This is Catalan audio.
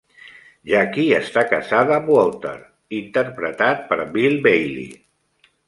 Jackie està casada amb Walter, interpretat per Bill Bailey.